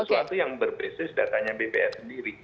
sesuatu yang berbasis datanya bps sendiri